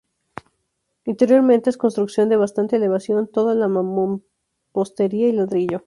Interiormente es construcción de bastante elevación, toda de mampostería y ladrillo.